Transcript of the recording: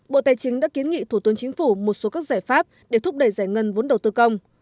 bộ tài chính đã kiến nghị thủ tướng chính phủ một số các giải pháp để thúc đẩy giải ngân vốn đầu tư công